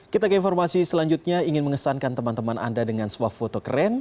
kita ke informasi selanjutnya ingin mengesankan teman teman anda dengan swafoto keren